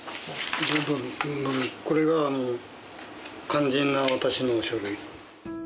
これがあの肝心な私の書類。